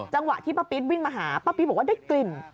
จังหวะที่ป้าปิ๊ดวิ่งมาหาป้าปิ๊บอกว่าได้กลิ่น